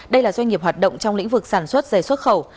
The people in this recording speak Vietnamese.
đây là doanh nghiệp hoạt động trong lĩnh vực sản xuất dày xuất khẩu